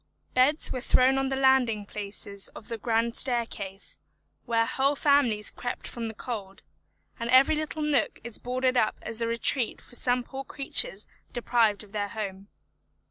Beds were thrown on the landing places of the grand staircase, where whole families crept from the cold, and every little nook is boarded up as a retreat for some poor creatures deprived of their home.